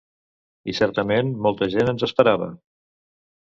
I certament molta gent ens esperava.